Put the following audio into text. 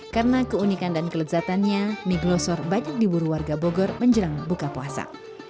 karena keunikan dan kelezatannya mie glosor banyak di buru warga bogor menjelang buka puasa